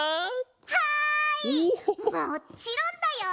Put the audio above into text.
はいもっちろんだよ。